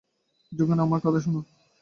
যোগেন, আমার কথা শোনো।